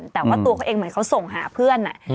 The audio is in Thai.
แต่ว่าตัวเขาเองเหมือนเขาส่งหาเพื่อน